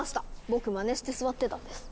僕まねして座ってたんです。